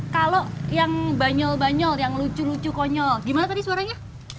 kalau yang banyol banyol yang lucu lucu konyol gimana tadi suaranya